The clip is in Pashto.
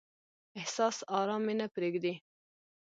احساس ارام مې نه پریږدي.